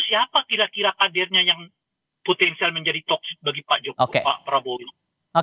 siapa kira kira kadernya yang potensial menjadi top bagi pak prabowo